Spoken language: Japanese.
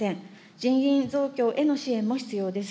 人員増強への支援も必要です。